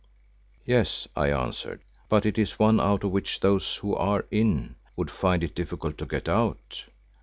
"Yes," I answered, "but it is one out of which those who are in, would find it difficult to get out.